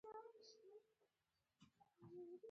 ارکرایټ د تولید انحصار لپاره عریضه وړاندې کړه.